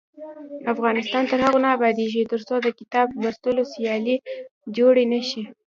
افغانستان تر هغو نه ابادیږي، ترڅو د کتاب لوستلو سیالۍ جوړې نشي.